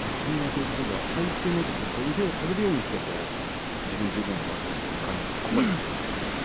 反応というところでは相手の腕を手繰るようにして自分十分の上手をつかみました。